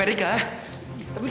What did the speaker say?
yuk aku tepuk pikir